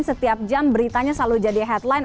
setiap jam beritanya selalu jadi headline